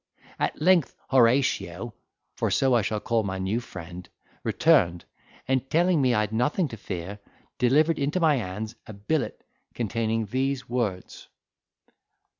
At length, Horatio (for so I shall call my new friend) returned, and telling me I had nothing to fear, delivered into my hands a billet containing these words.